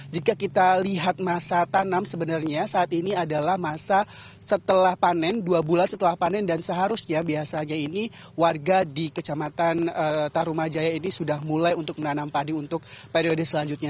jika kita lihat masa tanam sebenarnya saat ini adalah masa setelah panen dua bulan setelah panen dan seharusnya biasanya ini warga di kecamatan tarumajaya ini sudah mulai untuk menanam padi untuk periode selanjutnya